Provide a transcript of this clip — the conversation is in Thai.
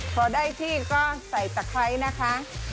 พอได้ที่ก็ใส่ตะไคร้นะคะ